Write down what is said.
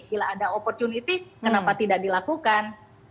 bila ada opportunity kenapa tidak dilakukan